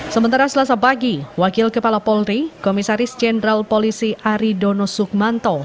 sementara selasa pagi wakil kepala polri komisaris jenderal polisi aridono sukmanto